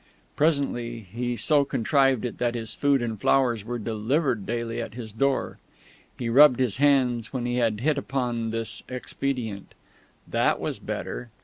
Presently he so contrived it that his food and flowers were delivered daily at his door. He rubbed his hands when he had hit upon this expedient. That was better!